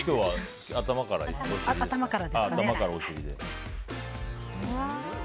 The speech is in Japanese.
頭からですね。